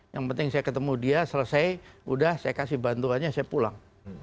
yang penting saya ketemu dia selesai udah saya kasih bantuannya saya pulang